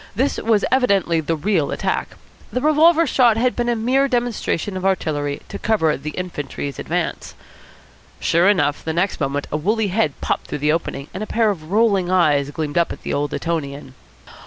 This was evidently the real attack. The revolver shot had been a mere demonstration of artillery to cover the infantry's advance. Sure enough, the next moment a woolly head popped through the opening, and a pair of rolling eyes gleamed up at the old Etonian.